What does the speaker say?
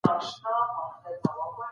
حقوقپوهان به د بې عدالتۍ مخنیوی کوي.